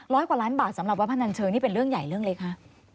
กว่าล้านบาทสำหรับวัดพนันเชิงนี่เป็นเรื่องใหญ่เรื่องเล็กคะ